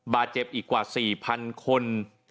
บาดเจ็บอีกกว่า๔๐๐๐คน